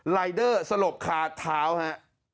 รายเดอร์สลบคาเท้าฮะ